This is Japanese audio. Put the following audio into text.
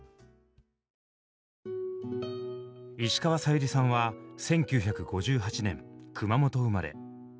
石川さゆりさんは１９５８年熊本生まれ。